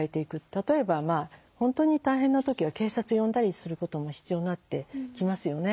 例えば本当に大変な時は警察呼んだりすることも必要になってきますよね。